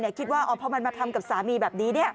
บางคนคิดว่าเพราะมันมาทำกับสามีแบบนี้